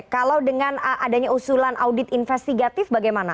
kalau dengan adanya usulan audit investigatif bagaimana